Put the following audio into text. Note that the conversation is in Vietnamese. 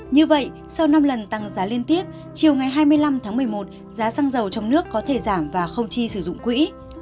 như vậy sau năm lần tăng giá liên tiếp chiều ngày hai mươi năm tháng một mươi một giá xăng dầu trong nước có thể giảm và không chi sử dụng quỹ